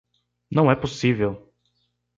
Não é possível!